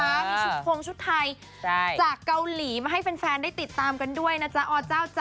มีชุดโครงชุดไทยจากเกาหลีมาให้แฟนได้ติดตามกันด้วยนะจ๊ะอเจ้าจ๊ะ